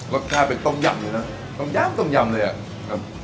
รสชาติเป็นต้มยำเลยนะต้มยำต้มยำเลยอ่ะครับ